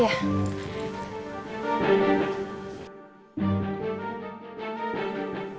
nanti mau ke rumah